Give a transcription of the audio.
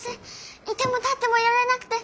居ても立ってもいられなくて。